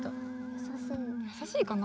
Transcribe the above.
優しいかな？